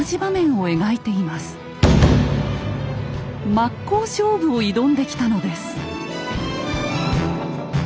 真っ向勝負を挑んできたのです。